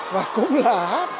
và cũng là